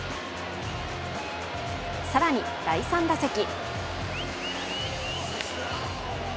更に第３打席。